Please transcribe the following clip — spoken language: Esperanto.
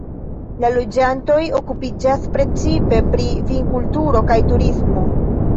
La loĝantoj okupiĝas precipe pri vinkulturo kaj turismo.